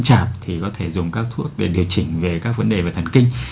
chảp thì có thể dùng các thuốc để điều chỉnh về các vấn đề về thần kinh